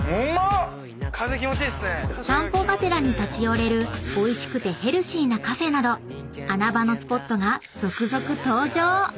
［散歩がてらに立ち寄れるおいしくてヘルシーなカフェなど穴場のスポットが続々登場！］